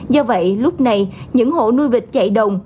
do vậy lúc này những hộ nuôi vịt chạy đồng